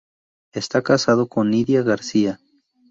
Está casado con Nidia García.